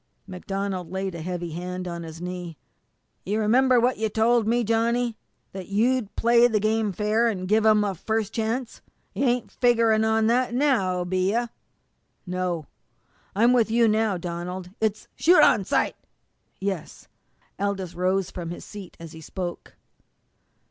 MacDonald laid a heavy hand on his knee. "You remember what you told me, Johnny, that you'd play the game fair, and give 'em a first chance? You ain't figgerin' on that now, be you?" "No, I'm with you now, Donald. It's " "Shoot on sight!" "Yes." Aldous rose from his seat as he spoke.